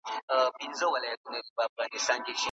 مسلمانان باید زکات ورکړي.